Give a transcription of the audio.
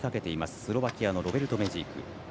スロバキアのロベルト・メジーク。